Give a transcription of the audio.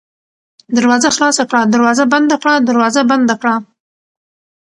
دروازه خلاصه کړه ، دروازه بنده کړه ، دروازه بنده کړه